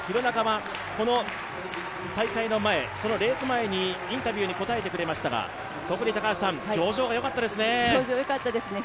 この大会の前、そのレース前にインタビューに応えてくれましたが、特に表情がよかったですね。